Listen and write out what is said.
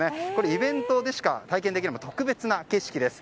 イベントでしか体験できない特別な景色です。